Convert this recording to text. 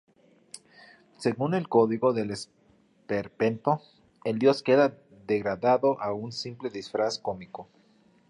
Según el código del esperpento el dios queda degradado a un simple disfraz cómico.